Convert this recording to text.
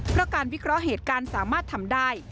เพราะการวิเคราะห์เหตุการณ์สามารถทำได้